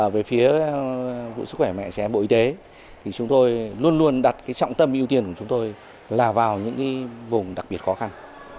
về phía sức khỏe mẹ trẻ bộ y tế thì chúng tôi luôn luôn đặt trọng tâm ưu tiên của chúng tôi là vào những vùng đặc biệt khó khăn